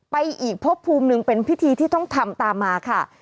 ไปอีกพบภูมิหนึ่งเป็นพิธีที่ต้องทำตามมาค่ะ